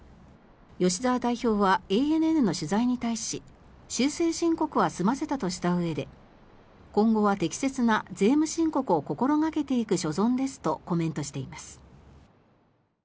吉澤代表はＡＮＮの取材に対し修正申告は済ませたとしたうえで今後は適切な税務申告を心掛けていく所存ですとコメントしています。